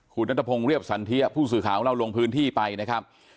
คุณนัทพงศ์เรียบสันเทียผู้สื่อข่าวของเราลงพื้นที่ไปนะครับ